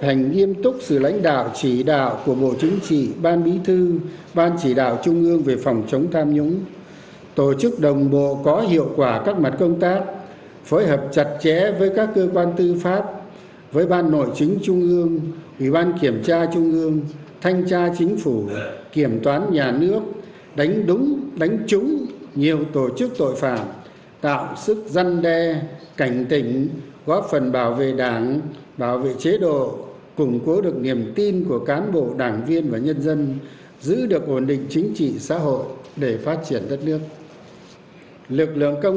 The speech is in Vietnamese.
phát biểu chỉ đạo tại hội nghị tổ chức thực hiện có hiệu quả các mặt công tác phối hợp chặt chẽ với các cơ quan tư pháp với ban nội chính trung ương ủy ban kiểm tra trung ương thanh tra chính phủ kiểm toán nhà nước đánh đúng đánh trúng nhiều tổ chức tội phạm tạo sức răn đe cảnh tỉnh góp phần bảo vệ đảng bảo vệ chế độ củng cố được niềm tin của cán bộ đảng viên và nhân dân giữ được ổn định chính trị xã hội để phát triển đất nước